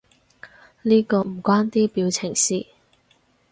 呢個唔關啲表情事